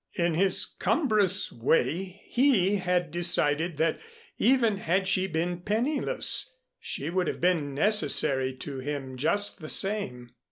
In his cumbrous way he had decided that even had she been penniless, she would have been necessary to him just the same.